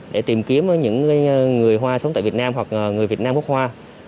để tìm kiếm những người hoa sống tại việt nam hoặc người việt nam quốc hoa